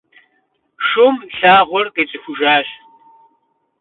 Шум лъагъуэр къицӏыхужащ.